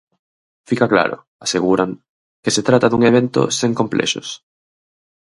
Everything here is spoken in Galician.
Fica claro, aseguran, que se trata dun evento "sen complexos".